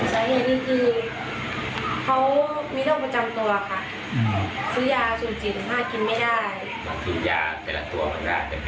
สาเหตุนี่คือเขามีโรคประจำตัวค่ะซื้อยาสูญจิตภาพกินไม่ได้